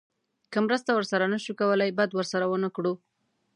که مرسته ورسره نه شو کولی بد ورسره ونه کړو.